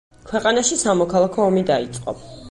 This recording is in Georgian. ქვეყანაში სამოქალაქო ომი დაიწყო.